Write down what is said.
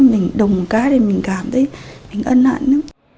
mình đồng cái để mình cảm thấy mình ân nạn